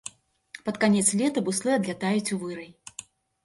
Пад канец лета буслы адлятаюць у вырай.